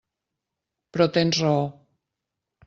Però tens raó.